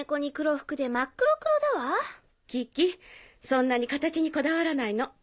そんなに形にこだわらないの。